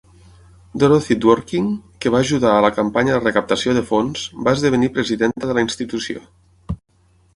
Dorothy Dworkin, que va ajudar a la campanya de recaptació de fons, va esdevenir presidenta de la institució.